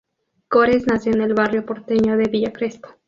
Cores nació en el barrio porteño de Villa Crespo.